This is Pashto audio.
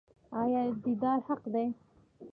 آیا دیدار حق دی؟